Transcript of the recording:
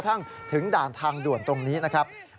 จนกระทั่งถึงดานทางด่วนตรงนี้นะครับ